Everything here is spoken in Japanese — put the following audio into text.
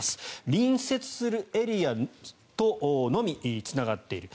隣接するエリアとのみつながっている。